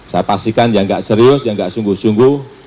saya pastikan yang tidak serius yang tidak sungguh sungguh